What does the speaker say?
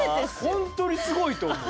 ほんとにすごいと思う。